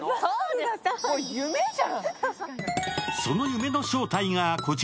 その夢の正体がこちら。